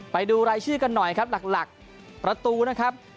ไปดูรายชื่อกันหน่อยครับหลักประตูนะครับ